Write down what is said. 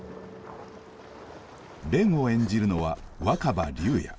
蓮を演じるのは若葉竜也。